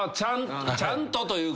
ちゃんとというか。